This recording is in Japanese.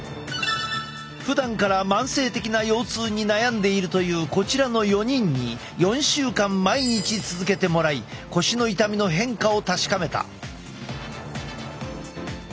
ふだんから慢性的な腰痛に悩んでいるというこちらの４人に４週間毎日続けてもらい腰の痛みの変化を確かめた。